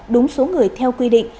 đúng số người theo quy định